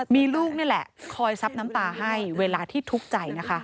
มีลูกนี่แหละคอยซับน้ำตาให้เวลาที่ทุกข์ใจนะคะ